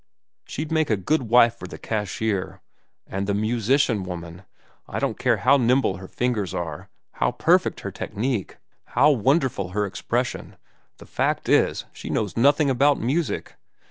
She'd make a good wife for the cashier. And the musician woman! I don't care how nimble her fingers are, how perfect her technique, how wonderful her expression—the fact is, she knows nothing about music."